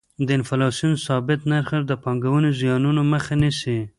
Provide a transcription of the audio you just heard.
د انفلاسیون ثابت نرخ د پانګونې زیانونو مخه نیسي.